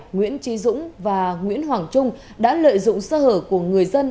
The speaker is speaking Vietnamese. nguyễn trí dũng và nguyễn hoàng trung đã lợi dụng sơ hở của người dân